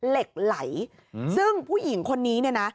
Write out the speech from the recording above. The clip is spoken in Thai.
เหล็กไหลซึ่งผู้หญิงคนนี้เนี่ยนะ